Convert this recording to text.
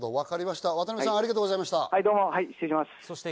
渡邊さん、ありがとうございました。